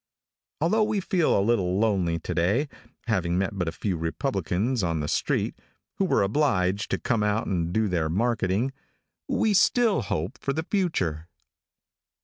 Although we feel a little lonely to day having met but a few Republicans on the street, who were obliged to come out and do their marketing we still hope for the future.